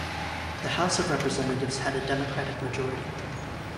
The House of Representatives had a Democratic majority.